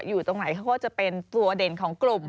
อยู่ตรงไหนเขาก็จะเป็นตัวเด่นของกลุ่ม